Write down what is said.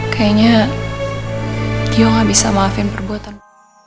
kayaknya gio gak bisa maafin perbuatanmu